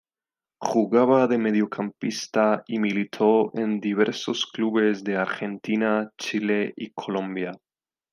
Jugaba de mediocampista y militó en diversos clubes de Argentina, Chile y Colombia.